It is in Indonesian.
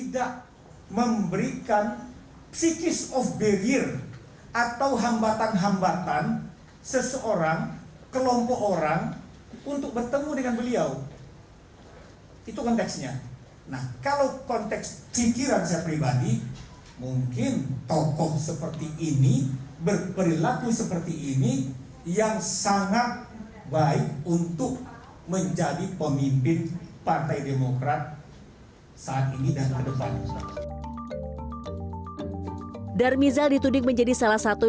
darmizal ditudik menjadi salah satu